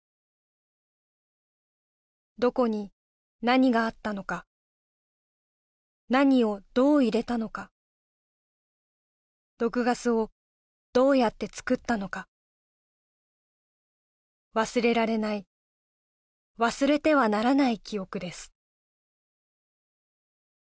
どこに何があったのか何をどう入れたのか毒ガスをどうやってつくったのか忘れられない忘れてはならない記憶です